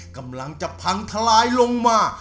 กำลังจะพังทลายลงมา